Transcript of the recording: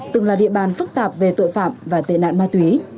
từng là địa bàn phức tạp về tội phạm và tệ nạn ma túy